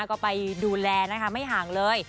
ก็ไปดูแลนะคะไม่ห่างเลย